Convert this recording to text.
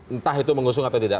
entah itu mengusung atau tidak